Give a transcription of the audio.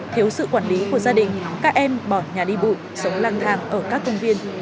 thiếu sự quản lý của gia đình các em bỏ nhà đi bộ sống lang thang ở các công viên